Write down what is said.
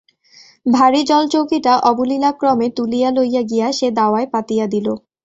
ভারী জলচৌকিটা অবলীলাক্রমে তুলিয়া লইয়া গিয়া সে দাওয়ায় পাতিয়া দিল।